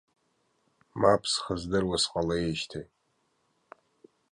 Мап, схы здыруа сҟалеижьҭеи!